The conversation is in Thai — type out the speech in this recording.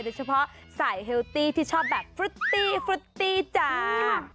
โดยเฉพาะสายเฮลตี้ที่ชอบแบบฟรุตตี้ฟรุตตี้จ้า